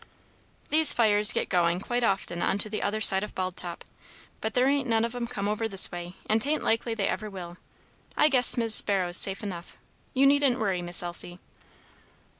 "These fires get going quite often on to the other side of Bald Top, but there ain't none of 'em come over this way, and 'tain't likely they ever will. I guess Mis' Sparrow's safe enough. You needn't worry, Miss Elsie."